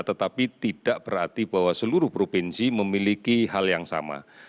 tetapi tidak berarti bahwa seluruh provinsi memiliki hal yang sama